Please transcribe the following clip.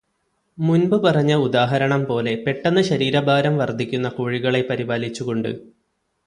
മുൻപ് പറഞ്ഞ ഉദാഹരണം പോലെ പെട്ടന്ന് ശരീരഭാരം വർദ്ധിക്കുന്ന കോഴികളെ പരിപാലിച്ചു കൊണ്ട്